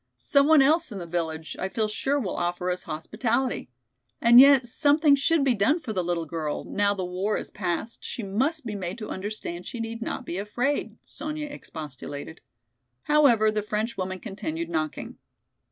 Some one else in the village I feel sure will offer us hospitality. And yet something should be done for the little girl, now the war is past she must be made to understand she need not be afraid," Sonya expostulated. However, the French woman continued knocking.